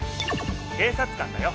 警察官だよ。